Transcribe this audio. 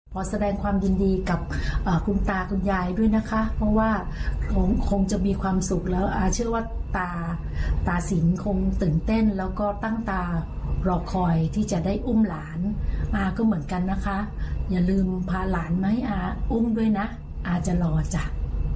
ขอแสดงความยินดีกับคุณตาคุณยายด้วยนะคะเพราะว่าคงจะมีความสุขแล้วอาเชื่อว่าตาตาสินคงตื่นเต้นแล้วก็ตั้งตารอคอยที่จะได้อุ้มหลานอาก็เหมือนกันนะคะอย่าลืมพาหลานมาให้อาอุ้มด้วยนะอาจะรอจ้ะ